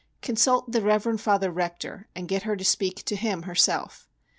Consult the Rev. Father Rector and get her to speak to him herself.